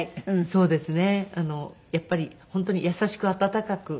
そうですね。